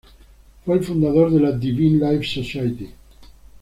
Fue el fundador de la Divine Life Society.